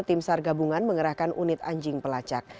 tim sargabungan mengerahkan unit anjing pelacak